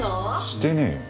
してねえよ。